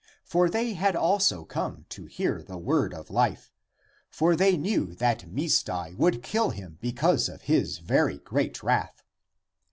For they had also come to hear the word of life. For they knew that Misdai would kill him because of his very great wrath.